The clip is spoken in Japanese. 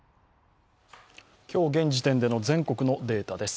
今日現時点での全国のデータです。